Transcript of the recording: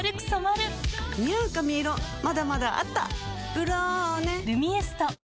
「ブローネ」「ルミエスト」